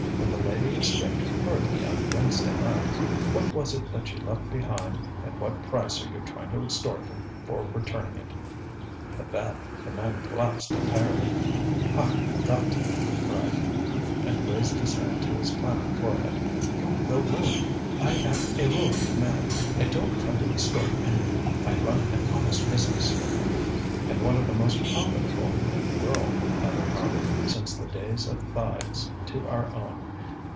When the lady escaped hurriedly on Wednesday night, what was it that she left behind and what price are you trying to extort from her for returning it? ŌĆØ At that the man collapsed entirely. ŌĆ£Ah, Gott! ŌĆØ he cried, and raised his hand to his clammy forehead. ŌĆ£You will ruin me. I am a ruined man. I don't try to extort anything. I run an honest business ŌĆØ ŌĆ£And one of the most profitable in the world, ŌĆØ added Harley, ŌĆ£since the days of Thais to our own.